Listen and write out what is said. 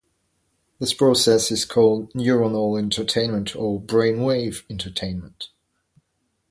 This process is called neuronal entrainment or brainwave entrainment.